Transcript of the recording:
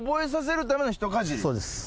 そうです。